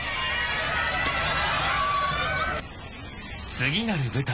［次なる舞台